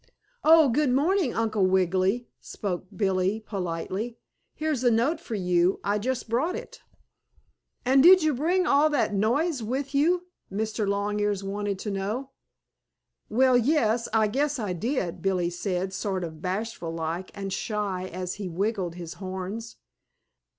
"Oh, good morning, Uncle Wiggily," spoke Billie, politely. "Here's a note for you. I just brought it." "And did you bring all that noise with you?" Mr. Longears wanted to know. "Well, yes, I guess I did," Billie said, sort of bashful like and shy as he wiggled his horns.